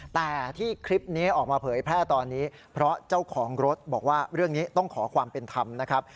แต่ที่คลิปนี้ออกมาเผยแพร่ตอนนี้เพราะเจ้าของรถบอกว่าเรื่องนี้ต้องขอความเป็นธรรมนะครับ